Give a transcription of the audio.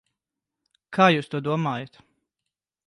Kā jūs to domājat?